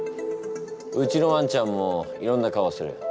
うちのワンちゃんもいろんな顔をする。